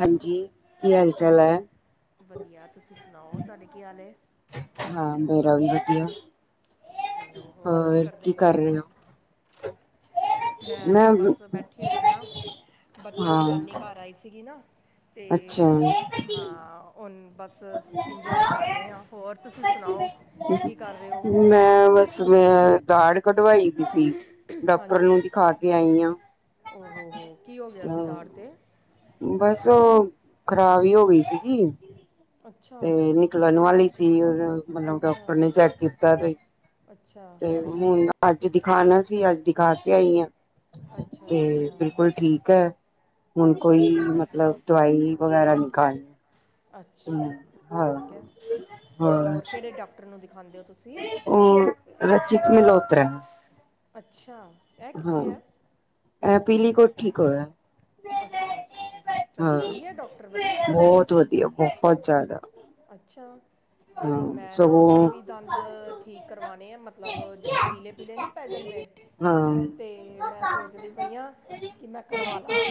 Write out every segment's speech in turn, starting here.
ਹਾਂਜੀ ਕੀ ਹਾਲ ਚਾਲ ਹਾਂਜੀ ਸ ਹੈ ਵਧੀਆ ਤੁਸੀਂ ਸੁਣਾਓ ਧੁਆਡਾ ਕੀ ਹਾਲਏ? ਹਾਂ ਬੇਰਾ ਵੀ ਵਧੀਆ। ਹੋਰ ਕੀ ਕਰ ਰਹੇ ਓ? ਮੈਂ ਤੇ ਬਸ ਬੈਠੀ ਹੋਈ ਹਾਂ ਬੱਚਿਆਂ ਦੀ ਹਾਂ ਨਾਨੀ ਘਰ ਆਈ ਸੀਗੀ ਨਾ ਅੱਛਾ ਅਤੇ ਹਾਂ ਉਨ ਬਸ ਇੰਜੋਏ ਕਰ ਰਹੇ ਹਾਂ ਹੋਰ ਤੁਸੀਂ ਸੁਣਾਓ ਕੀ ਕਰ ਰਹੇ ਹੋ ਮੈਂ ਬਸ ਮੈਂ ਦਾੜ ਕਢਵਾਈ ਦੀ ਸੀ ਡਾਕਟਰ ਨੂੰ ਹਾਂਜੀ ਦਿਖਾ ਹਾਂਜੀ ਕੇ ਆਈ ਹ ਹੋ ਹੋ ਕੀ ਹੋ ਗਿਆ ਸੀ ਦਾੜ ਤੇ ਬਸ ਉਹ ਖਰਾਬ ਹੀ ਹੋ ਗਈ ਸੀਗੀ ਅੱਛਾ ਤੇ ਨਿਕਲਵਾ ਲਈ ਸੀ ਮਤਲਬ ਅੱਛਾ ਡਾਕਟਰ ਨੇ ਚੈੱਕ ਕੀਤਾ ਤੇ ਅੱਛਾ ਤੇ ਹੁਣ ਅੱਜ ਦਿਖਾਣਾ ਸੀ ਅੱਜ ਦਿਖਾ ਕੇ ਆਈ ਆ ਅੱਛਾ ਤੇ ਬਿਲਕੁਲ ਅੱਛਾ ਠੀਕ ਹੈ ਹੁਣ ਅੱਛਾ ਕੋਈ ਜੀ ਮਤਲਬ ਦਵਾਈ ਵਗੈਰਾ ਨਹੀਂ ਖਾਣੀ ਅੱਛਾ ਹਾਂ ਹਾਂ ਠੀਕ ਹੈ ਹੋਰ ਕਿਹੜੇ ਡਾਕਟਰ ਨੂੰ ਦਿਖਾਉਂਦੇ ਹੋ ਤੁਸੀਂ ਉਹ ਰਚਿਤ ਮਲਹੋਤਰਾ ਅੱਛਾ ਇਹ ਹਾਂ ਕਿੱਥੇ ਆ ਇਹ ਬਿਲਕੁਲ ਠੀਕ ਹੋਇਆ ਅੱਛਾ -ਅੱਛਾ ਚਲੋ ਵਧੀਆ ਡਾਕਟਰ ਵਧੀਆ ਬਹੁਤ ਵਧੀਆ। ਬਹੁਤ ਜ਼ਿਆਦਾ ਅੱਛਾ। ਹਾਂ ਚਲੋ ਮੈਂ ਵੀ ਆਪਣੇ ਸਗੋਂ ਦੰਦ ਠੀਕ ਕਰਵਾਉਣੇ ਆ। ਮਤਲਬ ਪੀਲੇ-ਪੀਲੇ ਜਿਹੇ ਨਹੀਂ ਪੈ ਜਾਂਦੇ। ਹਾਂ ਤੇ ਮੈਂ ਸੋਚਦੀ ਪਈ ਆਂ ਕਿ ਮੈਂ ਕਰਵਾ ਲਾਂ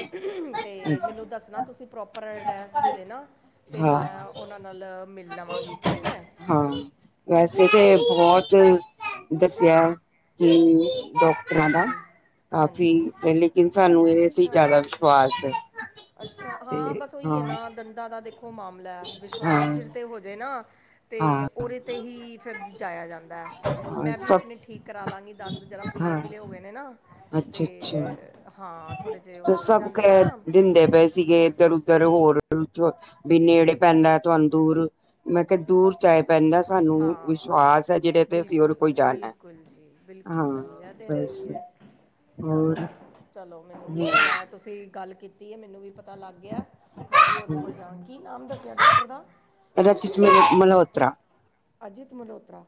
ਤੇ ਮੈਨੂੰ ਦੱਸਣਾ ਤੁਸੀਂ ਪ੍ਰੋਪਰ ਅਡਰੈਸ ਦੇ ਦੇਣਾ ਤੇ ਹਾਂ ਮੈਂ ਉਹਨਾਂ ਨਾਲ ਮਿਲ ਲਵਾਂਗੀ ਠੀਕ ਹੈ। ਹਾਂ, ਵੈਸੇ ਤੇ ਬਹੁਤ ਦੱਸਿਆ। ਹਮ ਡਾਕਟਰਾਂ ਦਾ ਹਾਂਜੀ ਕਾਫੀ ਹਾਂਜੀ ਪਹਿਲੇ ਕੀ ਸਾਨੂੰ ਇਹਦੇ ਤੇ ਅੱਛਾ ਜ਼ਿਆਦਾ ਵਿਸ਼ਵਾਸ ਹੈ। ਅੱਛਾ ਹਾਂ ਤੇ ਬਸ ਉਹੀ ਹਾਂ ਹੈ ਨਾ ਦੰਦਾਂ ਦਾ ਦੇਖੋ ਮਾਮ ਲੇ ਹਾਂ ਵਿਸ਼ਵਾਸ ਜਿਹ ਤੇ ਹੋ ਜੇ ਨਾ ਤੇ ਹਾਂ ਉਹਦੇ ਤੇ ਹੀ ਫਿਰ ਜਾਇਆ ਜਾਂਦਾ ਹਾਂ ਮੈਂ ਵੀ ਸਭ ਆਪਣੇ ਠੀਕ ਕਰਾ ਲਾਂਗੀ ਦੰਦ ਜਰਾ ਪੀਲੇ ਹਾਂ ਪੀਲੇ ਹੋ ਗਏ ਨੇ ਨਾ ਤੇ ਅੱਛਾ ਅੱਛਾ ਹਾਂ ਥੋੜ੍ਹੇ ਜਿਹੇ ਹੋ ਹੀ ਸਭ ਜਾਂਦੇ ਆ ਕਹਿ ਨਾ ਦਿੰਦੇ ਪਏ ਸੀਗੇ ਇੱਧਰ ਉੱਧਰ ਹੋਰ ਵੀ ਨੇੜੇ ਪੈਂਦਾ ਤੁੰਹਾਨੂ ਦੂਰ ਮੈਂ ਕਿਹਾ ਦੂਰ ਚਾਏ ਪੈਂਦਾ ਸਾਨੂੰ ਹਾਂ ਵਿਸ਼ਵਾਸ ਹੈ ਜਿਹਦੇ ਤੇ ਅਸੀਂ ਹੋਰ ਬਿਲਕੁਲ ਕੋਈ ਜਾਣਾ -ਬਿਲਕੁਲ ਜੀ ਬਿਲਕੁਲ ਹਾਂ ਜੀ ਇਹ ਤਾਂ ਹੈ ਬਸ ਹੀ ਹੈ ਚਲੋ ਹੋਰ ਚਲੋ ਮੈਨੂੰ ਵੀਦਾਂ ਮੈਂ ਤੁਸੀਂ ਗੱਲ ਕੀਤੀ ਹੈ ਮੈਨੂੰ ਵੀ ਪਤਾ ਲੱਗ ਗਿਆ। ਮੈਂ ਵੀ ਉਹਦੇ ਕੋਲ ਜਾਵਾਂਗੀ ਕਿ ਨਾਮ ਦੱਸਿਆ ਡੋਕਟਰ ਦਾ ਰਚਿਤ ਮਲਹੋਤਰਾ ਅਜੀਤ ਮਲਹੋਤਰਾ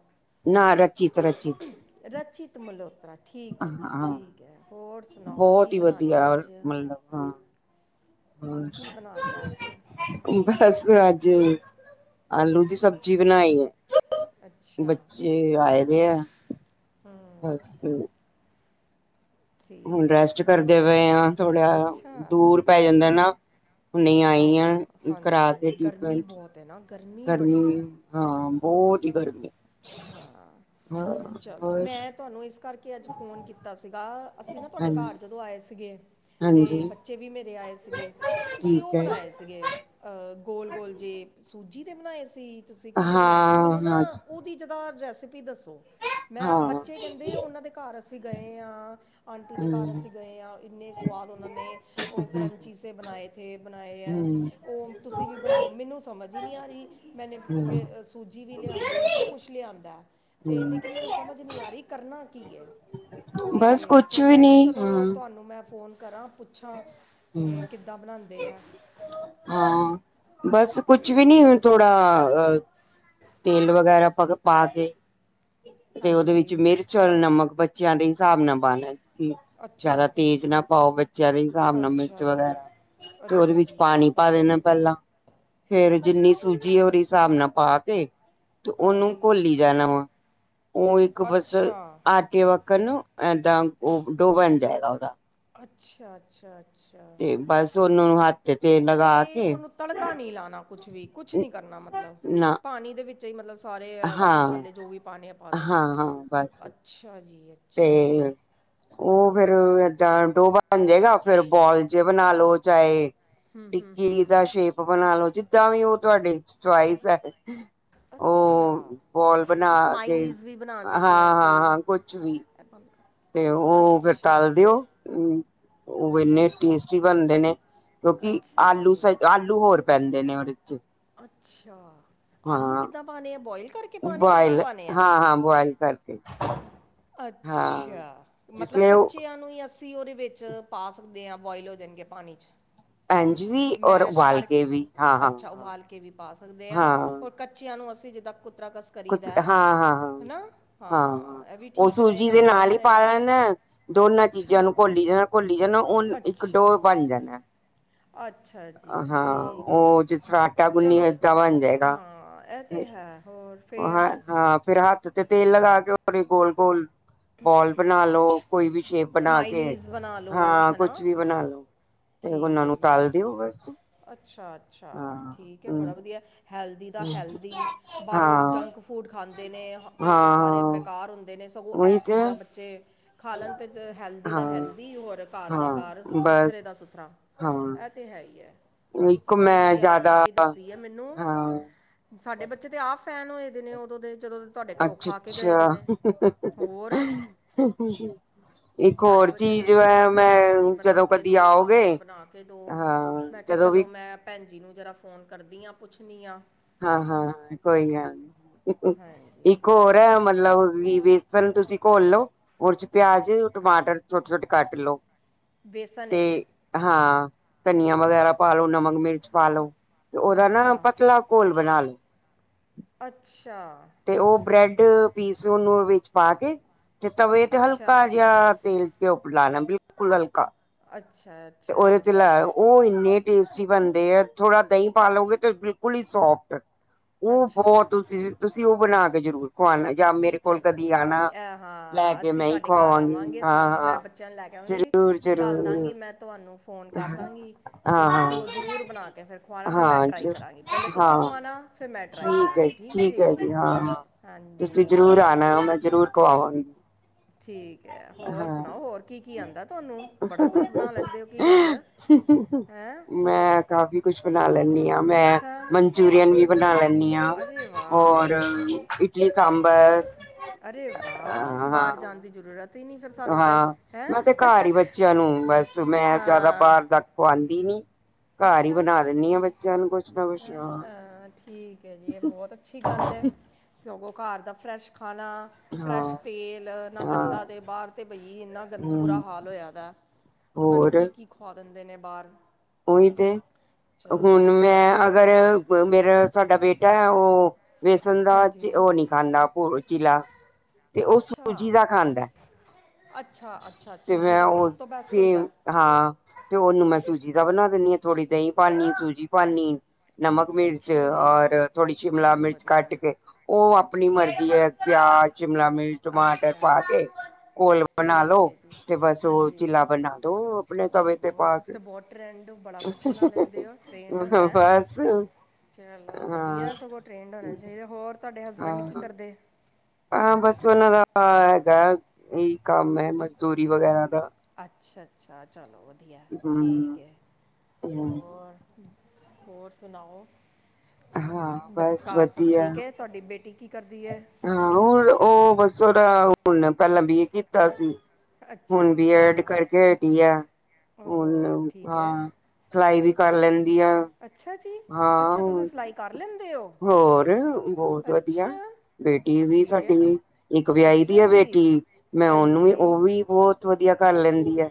ਨਾ ਰਚਿਤ- ਰਚਿਤ ਰਚਿਤ ਮਲਹੋਤਰਾ ਠੀਕ ਹੈ ਜੀ ਹਾਂ ਠੀਕ ਹੈ ਹੋਰ ਸੁਣਾਓ ਕੀ ਬਣਾ ਲਿਆ ਅੱਜ ਹਾਂਛ ਕੀ ਬਣਾ ਲਿਆ ਅੱਜ ਬਸ ਅੱਜ, ਆਲੂ ਦੀ ਸਬਜ਼ੀ ਬਣਾਈ। ਅੱਛਾ ਬੱਚੇ ਆਏ ਦੇ ਆ ਬਸ। ਠੀਕ ਹੁਣ ਹੈ ਰੈਸਟ ਕਰਦੇ ਪਏ ਆ ਥੋੜ੍ਹਾ ਅੱਛਾ ਦੂਰ ਪੈ ਜਾਂਦਾ ਨਾ। ਹੁਣੇ ਹੀ ਹਾਂ ਆਈਆਂ ਹਾਂਜੀ ਕਰਾ ਤੇ ਹਾਂਜੀ ਗਰਮੀ ਟਰੀਟਮੈਂਟ ਬਹੁਤ ਹੈ ਨਾ ਬੜੀ ਗਰਮੀ ਹੈ ਹਾਂ ਬਹੁਤ ਹੀ ਗਰਮੀ ਹਾਂ, ਹਾਂ ਚਲੋ ਹੋਰ ਮੈਂ ਤੁਹਾਨੂੰ ਇਸ ਕਰਕੇ ਅੱਜ ਫੋਨ ਕੀਤਾ ਸੀਗਾ ਅਸੀਂ ਨਾ ਤੁਹਾਡੇ ਹਾਂਜੀ ਘਰ ਜਦੋਂ ਆਏ ਸੀਗੇ ਤੇ ਹਾਂਜੀ ਬੱਚੇ ਵੀ ਮੇਰੇ ਆਏ ਸੀਗੇ। ਤੁਸੀਂ ਉਹ ਠੀਕ ਹੈ ਬਣਾਏ ਸੀ। ਸੀਗੇ ਗੋਲ-ਗੋਲ ਜੇ ਸੂਜੀ ਦੇ ਬਣਾਏ ਸੀ ਤੁਸੀਂ ਕਿਤੇ ਬਣਾਏ ਸੀ ਉਹ ਹਾਂ ਮੈਨੂੰ ਨਾ ਹਾਂ ਉਹਦੀ ਜਦਾ ਰੈਸਪੀ ਦੱਸੋ, ਮੈਂ ਹਾਂ ਬੱਚੇ ਕਹਿੰਦੇ ਉਹਨਾਂ ਦੇ ਘਰ ਅਸੀਂ ਗਏ ਹਾਂ। ਆਂਟੀ ਦੇ ਘਰ ਹਮ ਅਸੀਂ ਗਏ ਹਾਂ ਇੰਨੇ ਸਵਾਦ ਉਹਨਾਂ ਨੇ ਉਹ ਕਰੰਚੀੇ ਸੇ ਬਣਾਏਥੇ-ਬਣਾਏ ਹੈ ਹਮ ਉਹ ਤੁਸੀਂ ਵੀ ਬਣਾਓ ਮੈਨੂੰ ਸਮਝ ਹੀ ਨਹੀਂ ਆ ਰਹੀ ਮੈਨੇ ਹਮ ਸੂਜੀ ਵੀ ਲਿਆਂਂਦੀ ਸਬ ਕੁਛ ਲਿਆਂਦਾ ਤੇ ਹਮ ਲੇਕਿਨ ਮੈਨੂੰ ਸਮਝ ਨਹੀਂ ਆ ਰਹੀ ਕਰਨਾ ਕੀ ਹੈ। ਬਸ ਤੇ ਕੁਛ ਫਿਰ ਵੀ ਮੈਂ ਕਿਹਾ ਨਹੀਂ ਹਾਂ ਚਲੋ ਤੁਹਾਨੂੰ ਮੈਂ ਫੋਨ ਕਰਾਂ। ਪੁੱਛਾਂ ਤੇ ਹਮ ਕਿੱਦਾਂ ਬਣਾਉਂਦੇ ਹੈ। ਹਾਂ, ਬਸ ਕੁਛ ਵੀ ਨਹੀਂ ਥੋੜਾ ਤੇਲ ਵਗੈਰਾ ਪਾ ਕੇ ਤੇ ਉਹਦੇ ਵਿੱਚ ਹਾਂਜੀ ਮਿਰਚ ਚਲ ਨਮਕ ਬੱਚਿਆਂ ਦੇ ਹਿਸਾਬ ਨਾਲ ਪਾ ਲੈ ਹਮ ਜਿਆਦਾ ਅੱਛਾ ਤੇਜ਼ ਨਾ ਪਾਓ ਬੱਚਿਆਂ ਦੇ ਹਿਸਾਬ ਨਾਲ ਮਿਰਚ ਅੱਛਾ ਵਗੈਰਾ ਤੇ ਉਹਦੇ ਅੱਛਾ ਵਿੱਚ ਜੀ ਪਾਣੀ ਪਾ ਦੇਣਾ ਪਹਿਲਾਂ, ਫੇਰ ਜਿੰਨੀ ਸੂਜੀ ਉਹਦੇ ਹਿਸਾਬ ਨਾਲ ਪਾ ਕੇ ਤੇ ਉਹਨੂੰ ਹਾਂਜੀ ਘੋਲੀ ਜਾਣਾ ਵਾ ਉਹ ਇੱਕ ਬਸ ਅੱਛਾ ਆਟ ਕੇ ਵੱਕਣ ਨਾ ਇਏਦਾਂ ਉਹ ਡੋ ਬਣ ਜਾਏਗਾ ਉਹਦਾ। ਅੱਛਾ-ਅੱਛਾ, ਅੱਛਾ। ਤੇ ਬਸ ਉਹਨਾਂ ਨੂੰ ਹੱਥ- ਤੇ ਤੇਲ ਲਗਾ ਤੇ ਕੇ ਉਹਨੂੰ ਤੜਕਾ ਨਹੀਂ ਲਾਉਣਾ ਕੁਛ ਵੀ ਕੁਛ ਨੀ ਕਰਨਾ ਮਤਲਬ, ਨਾ ਪਾਣੀ ਦੇ ਵਿੱਚ- ਵਿੱਚੇ ਹੀ ਮਤਲਬ ਸਾਰੇ ਹਾਂ ਮਸਾਲੇ ਜੋ ਵੀ ਪਾਉਣੇ ਆ ਪਾ ਦਿਉ ਹਾਂ ਹਾਂ ਬਸ ਅੱਛਾ ਜੀ। ਤੇ। ਅੱਛਾ ਉਹ ਫੇਰ ਏਦਾਂ ਡੋਹ ਬਣ ਜਾਏਗਾ ਫੇਰ ਬੋਲ 'ਚ ਬਣਾ ਲੋ ਚਾਹੇ। ਟਿੱਕੀ ਦਾ ਸ਼ੇਪ ਬਣਾ ਲੋ ਜਿੱਦਾਂ ਵੀ ਉਹ ਤੁਹਾਡੇ ਚਇਸ ਹੈ। ਉਹ ਅੱਛਾ। ਬੋਲ ਬਣਾ ਕੇ ਇਸਮਾਈਲੀਜ਼ ਵੀ ਬਣਾ ਸਕਦੇ ਹਾਂ ਅਸੀਂ। ਤੇ ਕਰ। ਉਹ ਫਿਰ ਅੱਛਾ ਤਲ ਦਿਓ ਹੂੰ ਉਹ ਇੰਨੇ ਟੇਸਟੀ ਬਣਦੇ ਨੇ। ਕਿਉਂਕਿ ਅੱਛਾ ਆਲੂ ਸ ਜੀ ਆਲੂ ਹੋਰ ਪੈਂਦੇ ਨੇ ਉਹਦੇ ਵਿੱਚ। ਅੱਛਾ ਆਲੂ ਕਿੱਦਾਂ ਪਾਉਣੇ ਆ ਬੋਇਲ ਕਰਕੇ। ਪਾਣੇ ਕਿੱਦਾਂ ਬੁਆਇਲ ਪਾਣੇ ਆ ਹਾਂ ਹਾਂ ਬੁਆਇਲ ਕਰਕੇ। ਹਾਂ ਅੱਛਾ ਜਿਸ ਮਤਲਬ ਲਈ ਉਹ ਕੱਚਿਆਂ ਨੂੰ ਹੀ ਅੱਸੀ ਉਹਦੇ ਵਿੱਚ ਵਿੱਚ ਪਾ ਸਕਦੇ ਹਾਂ ਬੋਆਇਲ ਹੋ ਜਾਣਗੇ ਪਾਣੀ ਚ। ਇੰਝ ਵੀ ਔਰ ਮੈਸ਼ ਉਬਾਲ ਕਰ, ਕੇ ਵੀ ਹਾਂ ਹਾਂ ਅੱਛਾ ਹਾਂ ਉਬਾਲ ਕੇ ਵੀ ਪਾ ਸਕਦੇ ਹਾਂ ਔਰ ਕੱਚਿਆਂ ਨੂੰ ਅਸੀਂ ਜਿੱਦਾ ਕੁੱਤਰਾ ਕਸ ਕਰੀ ਕੁਛ ਦੇ, ਹਾਂ ਹਾਂ ਹਾਂ ਹਨਾ ਹਾਂ ਇਹ ਵੀ ਉਹ ਠੀਕ ਸੂਜੀ ਰਹੇਗਾ, ਦੇ ਆਸਾਨ ਨਾਲ ਹੀ ਪਾ ਰਹੇਗਾ। ਲੈਣ ਦੋਨਾਂ ਚੀਜ਼ਾਂ ਨੂੰ ਅੱਛਾ ਘੋਲੀ ਜਾਣਾ, ਘੋਲੀ ਜਾਣਾ ਉਹ ਇੱਕ ਡੋ ਬਣ ਜਾਣਾ। ਅੱਛਾ-ਅੱਛਾ। ਹਾਂ ਉਹ ਜਿਸ ਤਰ੍ਹਾਂ- ਟਾ ਗੁੁੰਨੀ [inaudible] ਚਲੋ ਫੇਰ ਟਾ ਬਨ ਜੇਗਾ, ਹਾਂ ਇਹ ਤੇ ਹਮ ਹੈ ਹੋਰ ਫੇਰ ਓਹਾਂ- ਹਾਂ ਫੇਰ ਹੱਥ ਤੇ ਤੇਲ ਲਗਾ ਕੇ ਉਹ ਗੋਲ-ਗੋਲ ਬੋਲ ਬਣਾ ਲੋ। ਕੋਈ ਵੀ ਸ਼ੇਪ ਬਣਾ ਕੇ, ਸਮਾਈਲੀਜ਼ ਬਣਾ ਲਓ ਹਾਂ ਹਨਾ ਕੁਛ ਵੀ ਬਣਾ ਲੋ, ਤੇ ਠੀਕ ਉਹਨਾਂ ਹੈ ਨੂੰ ਜੀ ਤਲ ਪੀਓਵੈਕਸ। [inaudible] ਅੱਛਾ ਅੱਛਾ ਠੀਕ ਹੈ। ਬੜਾ ਵਧੀਆ ਹੈਲਦੀ ਦਾ ਹੈਲਦੀ। ਬਾਹਰੋਂ ਹਾਂ ਜੰਕ ਫੂਡ ਖਾਂਦੇ ਨੇ ਉਹ ਤੇ ਸਾਰੇ ਹਾਂ ਬੇਕਾਰ ਹੁੰਦੇ ਨੇ ਸਗੋਂ। ਇਹ ਉਹੀ ਤੇ ਚੀਜ਼ਾਂ ਬੱਚੇ। ਖਾਲਣ ਵਿੱਚ ਹੈਲਦੀ ਹਾਂ ਦਾ ਹੈਲਦੀ ਹੋਰ ਘਰ ਦਾ ਹਾਂ ਘਰ ਬਸ ਸੁਥਰੇ ਦਾ ਸੁਥਰਾ। ਹਾਂ ਇਹ ਤੇ ਹੈ ਹੀ ਹੈ ਇੱਕ ਤੁਸੀਂ ਬੜੀ ਮੈਂ ਵਧੀਆ ਜ਼ਿਆਦਾ ਰੈਸਪੀ ਦੱਸੀ ਹੈ ਮੈਨੂੰ। ਹਾਂ ਸਾਡੇ ਬੱਚੇ ਤੇ ਆਪ ਫੈਨ ਹੋਏ ਦੇ ਨੇ ਉਦੋਂ ਦੇ ਜਦੋਂ। ਤੁਹਾਡੇ ਘਰੋਂ ਖਾ ਕੇ ਗਏ ਅੱਛਾ ਦੇ ਅੱਛਾ। ਨੇ ਹੋਰ ਇੱਕ ਸਾਡੇ ਹੋਰ ਬੱਚੇ ਤਾਂ ਚੀਜ਼ ਰੋਜ਼ ਹੈ। ਕਹਿੰਦੇ ਮੈਂ ਨੇ ਕਿ ਬਣਾ ਜਦੋਂ ਕੇ ਕਦੀ ਦਿਓ ਆਉਗੇ ਹਾਂ। ਕਿ ਜਦੋਂ ਚਲੋ ਵੀ ਮੈਂ ਭੈਣ ਜੀ ਨੂੰ ਜਰਾ ਫੋਨ ਕਰਦੀ ਆ ਪੁੱਛਦੀ ਆ। ਹਾਂ ਹਾਂ ਹਾਂ ਕੋਈ ਗੱਲ ਨਹੀਂ ਹਾਂਜੀ ਇੱਕ ਹੋਰ। ਪਹਿਲਾਂ ਮਤਲਬ ਵੇਸਨ ਤੁਸੀਂ ਘੋਲ ਲੋ। ਉਹ 'ਚ ਪਿਆਜ਼ ਟਮਾਟਰ ਛੋਟੇ ਛੋਟੇ ਕੱਟ ਲੋੋ। ਵੇਸਨ ਵਿਚ। ਹਾਂ ਧਨੀਆ ਵਗੈਰਾ ਪਾਲੋ ਨਮਕ ਮਿਰਚ ਪਾ ਲੋ ਤੇ ਉਹਦਾ ਨਾ ਅੱਛਾ ਪਤਲਾ। ਘੋਲ ਬਣਾ ਲੋ। ਅੱਛਾ। ਤੇ ਉਹ ਬ੍ਰੈਡ ਪੀਸ ਉਹਨੂੰ ਵਿੱਚ ਪਾ ਕੇ ਤੇ ਤਵੇ ਤੇ ਅੱਛਾ ਹਲਕਾ ਜਿਹਾ ਤੇਲ। ਘਿਓ ਖਿੜਾਉਣਾ ਬਿਲਕੁਲ ਹਲਕਾ। ਅੱਛਾ। ਤੇ ਉਹਦੇ ਅੱਛਾ ਉੱਤੇ ਲਾਉ। ਉਹ ਇੰਨੇ ਟੇਸਟੀ ਬਣਦੇ ਆ ਥੋੜਾ ਦਹੀਂ ਪਾ ਲਓਗੇ ਤੇ ਬਿਲਕੁਲ ਬਿਲਕੁਲ ਹੀ ਸੋਫਟ ਉਹ ਅੱਛਾ ਬਹੁਤ ਤੁਸੀਂ ਵੀ ਉਹ ਬਣਾ ਕੇ ਜ਼ਰੂਰ। ਖਵਾਉਣਾ ਜਾਂ ਮੇਰੇ ਕੋਲ ਕਦੀ ਚਲੋ ਆਉਣਾ ਇਹ ਲੈ ਹਾਂ ਕੇ ਅਸੀਂ ਮੈਂ ਹੀ ਤੁਹਾਡੇ ਘਰ ਖਵਾਵਾਂਗੀ ਆਵਾਂਗੇ ਹਾਂ ਸਭ ਹਾਂ। ਜ਼ਰੂਰ ਜ਼ਰੂਰ। ਦੱਸਾਂ ਗੀ ਮੈਂ ਤੁਹਾਨੂੰ। ਫ਼ੋਨ ਕਰ ਦਾਂਗੀ ਅਤੇ ਹਾਂ ਤੁਸੀਂ ਹਾਂ ਉਹ ਜ਼ਰੂਰ ਬਣਾ ਕੇ ਫਿਰ ਖੁਵਾਉਣਾ ਫਿਰ ਮੈਂ ਹਾਂ ਟਰਾਈ ਜ ਕਰਾਂਗੀ ਪਹਿਲੇ ਤੁਸੀਂ ਹਾਂ ਖੁਵਾਉਣਾ। ਠੀਕ ਹੈ ਜੀ ਠੀਕ ਹੈ ਜੀ ਹਾਂ ਤੁਸੀਂ ਹਾਂਜੀ ਜਰੂਰ ਹੋਰ ਆਉਣਾ ਉਹ ਮੈਂ ਜ਼ਰੂਰ। ਖਵਾਂਗੀ। ਠੀਕ ਹੈ। ਹੋਰ ਸੁਣਾਓ ਹੋਰ ਕੀ-ਕੀ ਆੰਦੈ ਤੁਆਨੂੰ,? ਬੜਾ ਕੁਛ ਬਣਾ ਲੈਂਦੇ ਹੋ ਕੀ ਗੱਲ। ਹਹਹ ਹੈਂ। ਨਾ। ਕਾਫ਼ੀ ਕੁੱਛ ਬਣਾ ਲੈਂਣੀ ਆਂ। ਮੈਂ ਅੱਛਾ ਮਨਚੂਰੀਅਨ ਵੀ ਬਣਾ ਲੈਂਦੀ ਆਂ ਅਰੇ ਵਾਹ ਔਰ ਇਟਲੀ-ਸਾਂਬਰ। ਅਰੇ ਵਾਹ, ਬਾਰ ਜਾਣ ਦੀ ਜ਼ਰੂਰਤ ਹੀ ਨਹੀਂ ਫਿਰ ਸਾਨੂੰ ਤਾਂ ਹਾਂ, ਮੈਂ ਤੇ ਹੈਂ ਘੱਰ ਹੀ ਬੱਚਿਆਂ ਨੂੰ ਬਸ ਮੈਂ ਜੈਦਾ ਹਾਂ ਬਾਰ ਦਾ ਖੂਆੰਦੀ ਨੀ ਘੱਰ ਹੀ ਅੱਛਾ ਬਣਾ ਦੇਣੀ ਆਂ, ਬੱਚਿਆਂ ਨੂੰ ਕੁਛ ਨਾ ਕੁ ਹੈਂ ਹਂ ਠੀਕ। ਤੇ ਯੇ ਬੌਤ ਅੱਛੀ ਗੱਲ ਏ, ਸਗੋਂ ਘਰ ਦਾ ਫਰੈਸ਼ ਖਾਣਾ ਫਰੈਸ਼ ਹਾਂ ਤੇਲ ਇੰਨਾ ਹਾਂ ਗੰਦਾ ਤੇ ਬਾਹਰ ਤੇ ਬਈ ਇੰਨਾ ਗੰਦ ਬੁਰਾ ਹਮ ਹਾਲ ਹੋਇਆ ਪਇਆ ਹੈ। ਹੋਰ। ਖੁਆ ਦਿੰਦੇ ਨੇ ਬਾਹਰ। ਉਹੀ ਤੇ ਅੱਗੋਂ ਚਲੋ ਹੁਣ ਵਧੀਆ ਮੈਂ। ਸਗੋਂ ਅਗਰ ਮੇਰਾ ਸਾਡਾ ਬੇਟਾ ਹੈ। ਉਹ ਵੇਸਣ ਦਾ ਹਾਂਜੀ ਉਹ ਨਹੀਂ ਖਾਂਦਾ। ਉਹ ਚੀਲਾ ਤੇ ਉਹ ਸੂਜੀ ਅੱਛਾ ਦਾ ਖਾਂਦਾ। ਅੱਛਾ ਅੱਛਾ ਤੇ ਸੂਜੀ ਮੈਂ ਦਾ ਤਾਂ ਸਭ ਉਹ ਤੋਂ ਬੈਸਟ ਤੇ ਹੁੰਦਾ ਹੈ। ਹਾਂ ਤੇ ਉਹਨੂੰ ਮੈਂ ਸੂਜੀ ਦਾ ਬਣਾ ਦਿੰਨੀ ਆਂ ਥੋੜ੍ਹੀ ਦਹੀਂ ਪਾਉਣੀ ਸੂਜੀ ਪਾਉਣੀ ਆਂ ਨਮਕ, ਮਿਰਚ ਅੱਛਾ ਜੀ ਔਰ ਥੋੜੀ ਸ਼ਿਮਲਾ ਚਲੋ ਮਿਰਚ ਵਧੀਆ ਕੱਟ ਕੇ ਉਹ ਆਪਣੀ ਮਰਜ਼ੀ ਹੈ। ਪਿਆਜ਼, ਸ਼ਿਮਲਾ ਮਿਰਚ, ਟਮਾਟਰ ਅੱਛਾ ਪਾ ਕੇ ਘੋਲ ਬਣਾ ਠੀਕ ਲੋੋ। ਹੈ ਜੀ ਤੇ ਬਸ ਉਹ ਹਾਂਜੀ ਚਿੱਲਾ ਬਣਾ ਦੋ ਆਪਣੇ ਤਵੇ ਤੇ ਓਹੋ ਪਾ ਤੁਸੀਂ ਕੇ। ਤਾਂ ਬਹੁਤ ਟ੍ਰੈਂਡ ਬੜਾ ਕੁਛ ਬਣਾ ਲੈਂਦੇ ਹੋ ਟ੍ਰੈਂਡ ਹੈ। ਬਸ ਚਲੋ ਹਾਂ ਵਧੀਆ ਸਗੋਂ ਟ੍ਰੇਡ ਹੋਣਾ ਚਾਹੀਦਾ। ਹੋਰ ਤੁਹਾਡੇ ਹਸਬੈਂਡ ਕੀ ਹਾਂ ਕਰਦੇ ਆਂ। ਹਾਂ, ਬਸ ਔਨਾਂ ਦਾ ਹੈਗੈ ਇਹੀ ਕੰਮ ਹੈ ਮਜ਼ਦੂਰੀ ਵਗੈਰਾ ਦਾ। ਅੱਛਾ-ਅੱਛਾ ਚਲੋ ਵਧੀਐ ਠੀਕ ਹਮ ਏ। ਹਮ ਹੋਰ? ਹੋਰ ਸੁਣਾਓ ਹਾਂ ਬ ਬਸ ਘੱਰ ਸਭ ਵਧੀਆ ਠੀਕ ਏ? ਤਾਡੀ ਬੇਟੀ ਕੀ ਕਰਦੀ ਏ? ਹਾਂ, ਹੁਣ ਔ ਬਸ ਔਦਾ ਹੁਣ ਪੈਲਾਂ ਬੀਏ ਕੀਤਾ ਸੀ। ਅੱਛਾ ਹੁਣ ਬੀ ਐਡ ਅੱਛਾ ਕਰਕੇ ਹਟੀ ਐ, ਓਹੋ ਹੁਣ ਠੀਕ ਹੈ ਹਾਂ। ਸਿਲਾਈ ਵੀ ਕਰ ਲੈਂਦੀ ਆ। ਅੱਛਾ ਜੀ ਹਾਂ, ਅੱਛਾ ਤੁਸੀਂ ਹੋ ਸਿਲਾਈ ਕਰ ਲੈਂਦੇ ਹੋ ਹੋਰ ਬੌਤ ਵਧੀਆ। ਅੱਛਾ ਬੇਟੀ ਨੂ ਵੀ ਠੀਕ ਹੈ ਸਾਡੀ, ਇੱਕ ਵਿਆਹੀ ਦੀ ਅੱਛਾ ਐ ਜੀ ਬੇਟੀ ਮੈਂ ਔਨੂੰ ਵੀ, ਹਾਂਜੀ ਓਹ ਵੀ ਬੌਤ ਵਧੀਆ ਕਰ ਲੈਂਦੀ ਐ,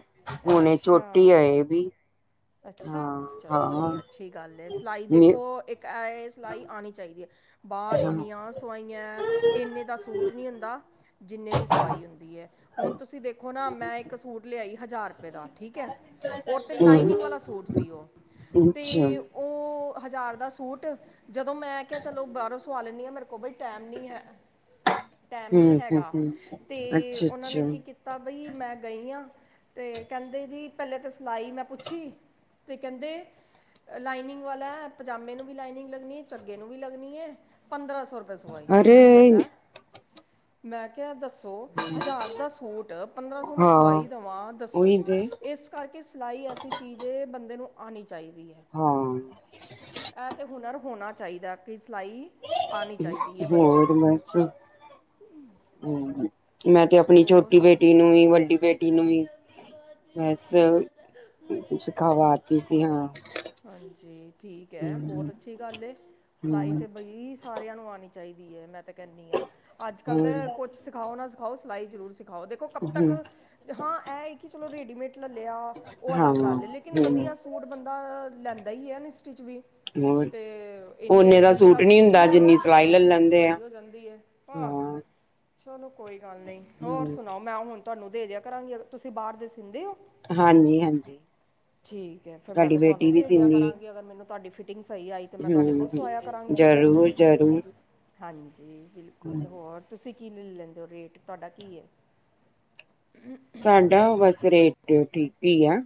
ਹੁਣੇ ਛੋਟੀ ਅੱਛਾ ਏ ਏਹ ਬੀ। ਅੱਛਾ, ਚਲੋ ਵਧੀਆ ਅੱਛੀ ਗੱਲ ਏ। ਸਿਲਾਈ ਦੇਖੋ ਇੱਕ ਅਏ ਸਿਲਾਈ ਆਣੀ ਚਾਈਦੀ ਏ ਅੱਛਾ ਬਾਰ ਇਨੀਆਂ ਸਵਾਈਯੈ। ਏਨੇ ਦਾ ਸੂਟ ਨੀਂ ਹੂੰਦਾ ਜਿੰਨੇ ਦੀ [unintelligible] ਸੁਆਈ ਹੁੰਦੀ ਐ, ਹੁਣ ਤੁਸੀਂ ਦੇਖੋ ਨਾ ਮੈਂ ਇੱਕ ਸੂਟ ਲਿਆਈ ਹਜ਼ਾਰ ਰੁਪਏ ਦਾ। ਠੀਕ ਐ, ਔਰ ਤੇ ਹੂੰ ਲਾਈਨਿੰਗ ਵਾਲਾ ਸੂਟ ਸੀ ਓਹ, ਤੇ ਔ ਹਜ਼ਾਰ ਦਾ ਸੂਟ। ਜਦੋਂ ਮੈਂ ਕਿਹਾ ਚਲੋ ਬਾਰੋਂ ਸਵਾ ਲੈਂਦੀ ਆਂ ਮੇਰੇ ਕੋਲ ਬਈ ਟੈਮ ਨੀਂ ਹੈ। ਟੈਮ ਨੀਂ ਹੂੰ ਹੈਗਾ ਹੂੰ ਤੇ ਅੱਛਾ ਔਨਾਂ ਨੇਂ ਅੱਛਾ ਕੀ ਕਿ ਤਾ ਬਈ ਮੈਂ ਗਈ ਆਂ ਤੇ ਕੈੰਦੇ ਜੀ ਪੈਲੇ ਤੇ ਸਿਲਾਈ ਮੈਂ ਪੁੱਛੀ। ਤੇ ਕੈੰਦੇ ਲਾਈਨਿੰਗ ਵਾਲਾ, ਪਜਾਮੇ ਨੂੰ ਵੀ ਲਾਈਨਿੰਗ ਲੱਗਣੀ ਏ, ਝੱਗੇ ਨੂੰ ਵੀ ਲੱਗਣੀ ਏ, ਪੰਦਰਾਂ ਸੌ ਰਪੇ ਪੇ ਸਵਾਈ। ਮੈਂ ਕਿਹਾ ਅਰੇ ਲੈ। ਮੈਂ ਕਿਐ ਦੱਸੋ? ਹਜ਼ਾਰ ਦਾ ਸੂਟ ਪੰਦਰਾਂ ਸੌ ਮੈਂ ਸਵਾਈ ਦੇਵਾਂ ਦੱਸੋ। ਦਈ। ਇਸ ਕਰਕੇ ਸਿਲਾਈ ਐਸੀ ਚੀਜ਼ ਏ ਬੰਦੇ ਨੂੰ ਆਣੀ ਚਾਈਦੀ ਐ। ਹਾਂ। ਇਹ ਤਾਂ ਹੁਨਰ ਹੋਣਾ ਚਾਈਦਾ ਕਿ ਸਿਲਾਈ ਆਣੀ ਚਾਹੀਦੀ ਹੈ ਹੋ ਬੰਦੇ ਨੂੰ ਮ ਹ ਮੈਂ ਤੇ ਆਪਣੀ ਛੋਟੀ ਬੇਟੀ ਨੂੰ ਨੀਂ, ਵੱਡੀ ਬੇਟੀ ਨੂੰ ਵੀਂ ਬਸ ਸਿਖਾਵਾਤੀ ਸੀ ਹਾਂ। ਹਾਂਜੀ ਠੀਕ ਐ। ਹੂੰ ਬਹੁਤ ਅੱਛੀ ਗੱਲ ਏ। ਸਿਲਾਈ ਹੂੰ ਤਾਂ ਬਈ ਸਾਰਿਆਂ ਨੂੰ ਆਣੀ ਚਾਈਦੀ ਏ, ਮੈਂ ਤੇ ਕਹਿੰਣੀ ਆਂ, ਅੱਜ-ਕੱਲ ਹੋਰ ਤਾਂ ਕੁਛ ਸਿਖਾਓ ਨਾਂ ਆਉ ਸਿਲਾਈ ਜ਼ਰੂਰ ਸਿਖਾਓ। ਕਬ ਤੱਕ ਹੂੰ ਹਾਂ ਇਹ ਕਿ ਚਲੋ ਰੇਡੀਮੇਡ ਲਲੱ ਲਿਆ, ਉਹ ਹਾਂ ਅਲੱਗ ਗੱਲ ਲੇਕਿਨ ਹੂੰ ਵਧੀਆ ਸੂਟ ਬੰਦਾ ਲੈਂਦਾ ਈ ਐ ਮਿਸਟਰੀ ਚ ਵੀ। ਹੋਰ ਤੇ ਇਨਨੀ ਓਨੇ ਜਿੰਨੇ ਦਾ ਨੀ ਸੂਟ ਹੁੰਦਾ ਨੀਂ, ਜਿੰਨੀ ਸਿਲਾਈ ਲੈ ਜਿੰਨੇ ਦੀ ਲੈਂਦੇ ਆ ਸੁਆਈ ਹੋ ਜਾਂਦੀ ਐ। ਹਾਂ। ਚਲੋ ਕੋਈ ਗੱਲ ਨਈਂ। ਹੋਰ ਹੂੰ ਸੁਣਾਓ ਮੈਂ ਹੁਣ ਤੁਹਾਨੂੰ ਦੇ ਦਿਆ ਕਰਾਂਗੀ ਤੁਸੀਂ ਬਾਹਰ ਦੇ ਸਿੰਦੇ ਔ? ਹਾਂਜੀ ਹਾਂਜੀ [inaudible] ਠੀਕ ਐ, ਫੇਰ ਮੈਂ ਸਾਡੀ ਤੇ ਬੇਟੀ ਤੁਹਾਨੂੰ ਵੀ ਦੇਦਿਆ ਸੀਂਦੀ ਕਰਾਂਗੀ ਅਗਰ ਮੈਨੂੰ ਤਾਡੀ ਫਿਟਿੰਗ ਸਹੀ ਆਈ ਤੇ ਮੈਂ ਤੁਹਾਡੇ ਕੋਲ ਹੂੰ ਸੁਆਯਾ ਕਰਾਂਗੀ ਫੇਰ ਤੇ। ਜ਼ਰੂਰ ਜ਼ਰੂਰ ਹਾਂਜੀ ਬਿਲਕੁਲ। ਹੋਰ, ਤੁਸੀਂ ਕੀ ਲਿਲ ਲੈਂਦੇ ਹੋ ਰੇਟ ਤੁਹਾਡਾ ਕੀ ਏ? [unintelligible] ਢਾਉ ਵਸ ਰੇਟ ਤੇ ਠੀਕ ਈ ਆ।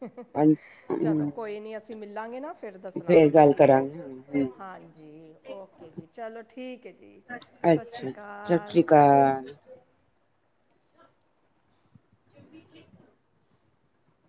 [unintelligible] ਚਲੋ ਹਾਂਜੀ, ਕੋਈ ਨੀਂ ਅਸੀਂ ਮਿਲਾਂਗੇ ਨਾਂ, ਫੇਰ ਦੱਸਣਾ, ਗੱਲ ਠੀਕ ਐ। ਕਰਾਂਗੇ, ਹਾਂਜੀ, ਓਕੇ ਜੀ ਚਲੋ ਠੀਕ ਏ ਜੀ। ਸਤ ਸ਼੍ਰੀ ਅੱਛਾ ਸਤਿ ਕਾਲ। ਸ੍ਰੀ ਅਕਾਲ।